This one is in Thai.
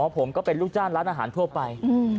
ผมก็เป็นลูกจ้างร้านอาหารทั่วไป